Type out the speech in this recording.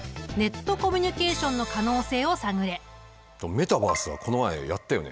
メタバースはこの前やったよね。